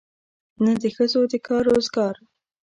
نه د ښځو د کار روزګار.